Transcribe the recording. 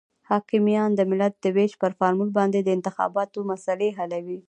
حاکمیان د ملت د وېش پر فارمول باندې د انتخاباتو مسلې حلوي.